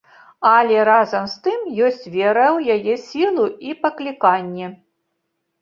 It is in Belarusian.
Але, разам з тым, ёсць вера ў яе сілу і пакліканне.